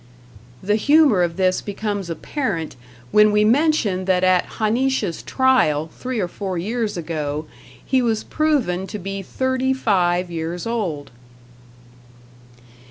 The humor of this becomes apparent when we mention that at Ha'nish's trial, three or four years ago, he was proven to be thirty five years old!